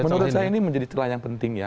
menurut saya ini menjadi celah yang penting ya